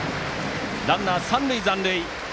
ランナー、三塁残塁。